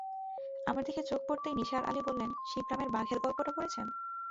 আমার দিকে চোখ পড়তেই নিসার আলি বললেন, শিবরামের বাঘের গল্পটা পড়েছেন?